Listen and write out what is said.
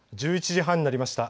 １１時半になりました。